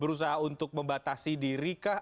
berusaha untuk membatasi diri kah